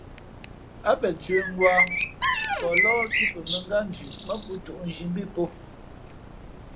Ά pen cə̌ngwǎ, pαh lάάsí pα mᾱngátnzhʉʼ mά pō cōʼnzhi mbí pō.